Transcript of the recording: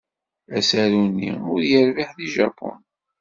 Asaru-nni ur yerbiḥ deg Japun.